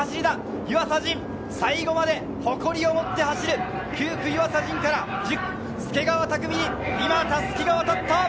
湯浅仁、最後まで誇りを持って走る９区・湯浅仁から１０区・助川拓海に襷が渡った。